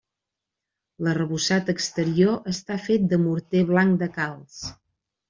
L'arrebossat exterior està fet de morter blanc de calç.